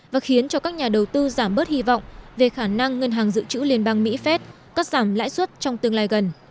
và khiến cho các nhà đầu tư giảm bớt hy vọng về khả năng ngân hàng dự trữ liên bang mỹ phép cắt giảm lãi suất trong tương lai gần